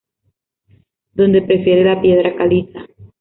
Donde prefiere la piedra caliza.